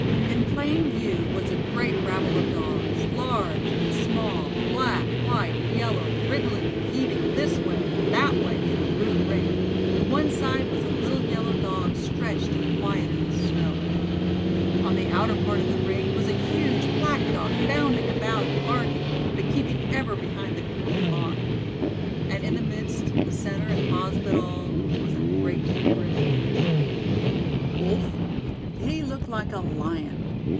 In plain view was a great rabble of Dogs, large and small, black, white, and yellow, wriggling and heaving this way and that way in a rude ring; to one side was a little yellow Dog stretched and quiet in the snow; on the outer part of the ring was a huge black Dog bounding about and barking, but keeping ever behind the moving mob. And in the midst, the centre and cause of it all, was a great, grim, Wolf. Wolf? He looked like a Lion.